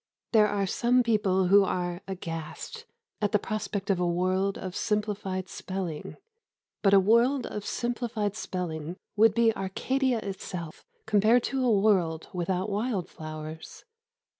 There are some people who are aghast at the prospect of a world of simplified spelling. But a world of simplified spelling would be Arcadia itself compared to a world without wild flowers.